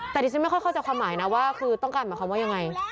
แต่ดิฉันไม่ค่อยเข้าใจความหมายนะว่าคือต้องการหมายความว่ายังไง